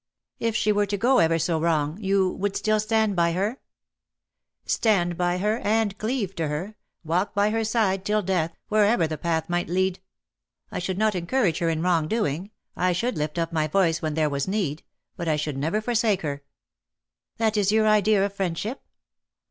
^^If she were to go ever so wrongs you would still stand by her ?"" Stand by her^ and cleave to her — walk by her side till death, wherever the path might lead. I should not encourage her in wrong doing. I should lift up my voice when there was need : but I should never forsake her.'' ^' That is your idea of friendship